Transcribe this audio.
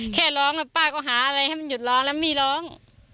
แค่ร้องแล้วป้าก็หาอะไรให้มันหยุดร้องแล้วไม่ร้อง